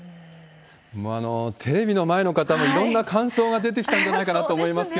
テレビの前の方もいろんな感想が出てきたんじゃないかなと思そうですね。